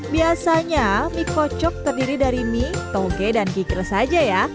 biasanya mie kocok terdiri dari mie toge dan kikil saja ya